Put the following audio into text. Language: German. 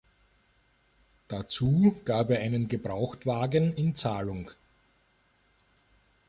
Dazu gab er einen Gebrauchtwagen in Zahlung.